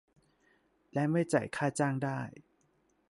และไม่จ่ายค่าจ้างได้